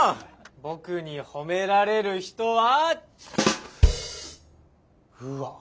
僕に褒められる人はうわ。